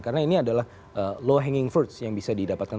karena ini adalah low hanging fruit yang bisa didapatkan